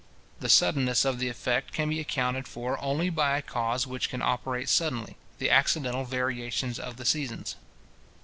The suddenness of the effect can be accounted for only by a cause which can operate suddenly, the accidental variations of the seasons.